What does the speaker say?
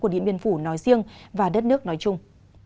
của điện biên phủ nói riêng và đất nước nói chung